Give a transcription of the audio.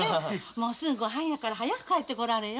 もうすぐごはんやから早く帰ってこられよ。